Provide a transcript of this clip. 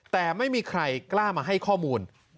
แต่ไม่มีใครกล้ามาให้ข้อมูล